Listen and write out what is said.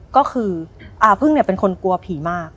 ก็คือพึ่งเป็นคนกลัวผีมาก